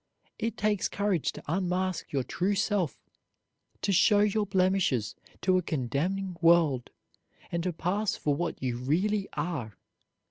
It takes courage to unmask your true self, to show your blemishes to a condemning world, and to pass for what you really are.